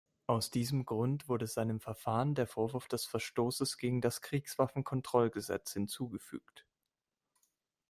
Aus diesem Grund wurde seinem Verfahren der Vorwurf des Verstoßes gegen das Kriegswaffenkontrollgesetz hinzugefügt.